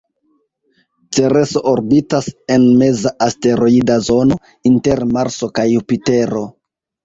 Cereso orbitas en meza asteroida zono, inter Marso kaj Jupitero.